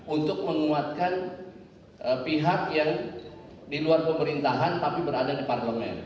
untuk menguatkan pihak yang di luar pemerintahan tapi berada di parlemen